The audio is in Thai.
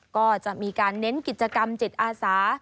ก็จะมีการเน้นกิจกรรมจิตอาสา